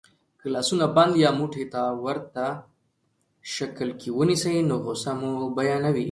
که لاسونه بند یا موټي ته ورته شکل کې ونیسئ نو غسه مو بیانوي.